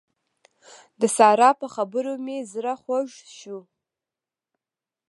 د سارا په خبرو مې زړه خوږ شو.